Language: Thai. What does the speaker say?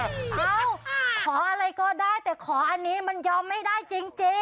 เอ้าขออะไรก็ได้แต่ขออันนี้มันยอมไม่ได้จริง